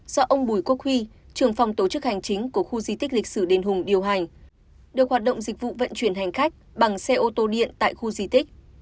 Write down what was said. do ông bùi quốc huy trưởng phòng tổ chức hành chính của khu di tích lịch sử đền hùng điều hành được hoạt động dịch vụ vận chuyển hành khách bằng xe ô tô điện tại khu di tích